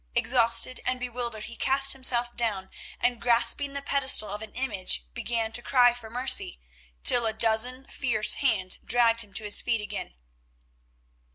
Exhausted and bewildered he cast himself down, and grasping the pedestal of an image began to cry for mercy, till a dozen fierce hands dragged him to his feet again.